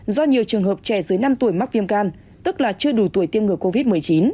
do nhiều trường hợp trẻ dưới năm tuổi mắc viêm gan tức là chưa đủ tuổi tiêm ngừa covid một mươi chín